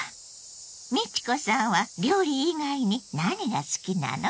美智子さんは料理以外に何が好きなの？